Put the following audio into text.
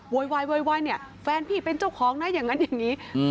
โว๊ยแฟนพี่เป็นเจ้าของนะอย่างนั้นแบบนี้